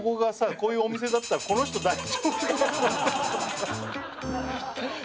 こういうお店だったらこの人大丈夫かな。